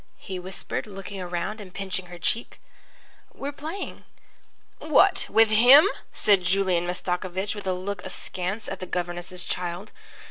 he whispered, looking around and pinching her cheek. "We're playing." "What, with him?" said Julian Mastakovich with a look askance at the governess's child.